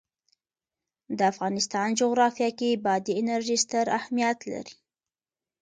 د افغانستان جغرافیه کې بادي انرژي ستر اهمیت لري.